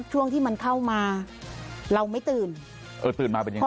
ช่วงที่มันเข้ามาเราไม่ตื่นเออตื่นมาเป็นยังไง